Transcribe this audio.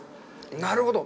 なるほど。